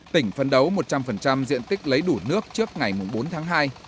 tỉnh phân đấu một trăm linh diện tích lấy đủ nước trước ngày bốn tháng hai